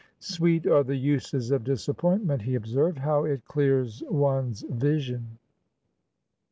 "Sweet are the uses of disappointment," he observed. "How it clears one's vision!"